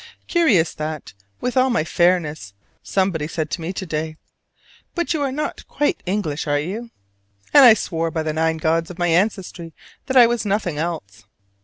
Curious that, with all my fairness, somebody said to me to day, "But you are not quite English, are you?" And I swore by the nine gods of my ancestry that I was nothing else.